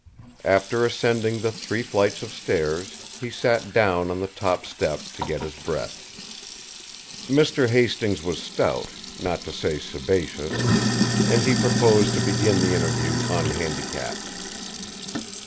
After ascending the three flights of stairs, he sat down on the top step, to get his breath. Mr. Hastings was stout, not to say sebaceous and he proposed to begin the interview unhandicapped.